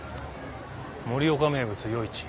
「盛岡名物よ市」。